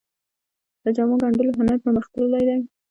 د جامو ګنډلو هنر پرمختللی و